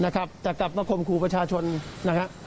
แต่กับกรมคุประชาชนนะครับ